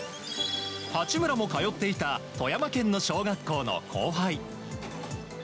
八村も通っていた富山県の小学校の後輩。